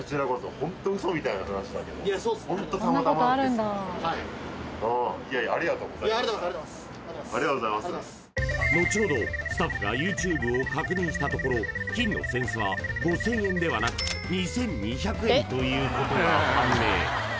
後ほどスタッフがＹｏｕＴｕｂｅを確認したところ金の扇子は５０００円ではなく２２００円ということが判明